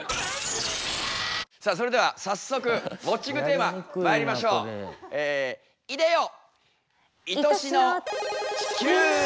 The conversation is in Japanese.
さあそれでは早速ウォッチングテーマまいりましょう。